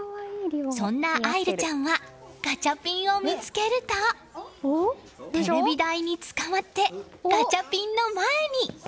そんな愛桜ちゃんはガチャピンを見つけるとテレビ台につかまってガチャピンの前に！